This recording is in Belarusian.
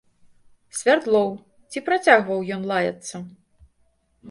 Свярдлоў, ці працягваў ён лаяцца?